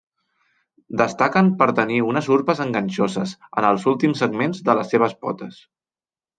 Destaquen per tenir unes urpes enganxoses en els últims segments de les seves potes.